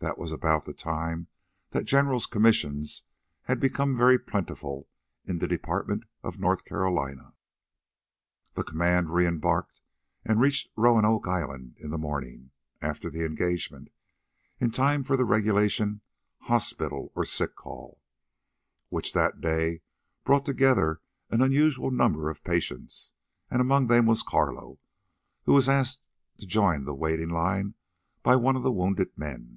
That was about the time that generals' commissions had become very plentiful in the Department of North Carolina. The command re embarked, and reached Roanoke Island the morning after the engagement, in time for the regulation "Hospital or Sick Call," which that day brought together an unusual number of patients, and among them Carlo, who was asked to join the waiting line by one of the wounded men.